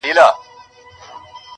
یار نوشلی یې په نوم دمیو جام دی,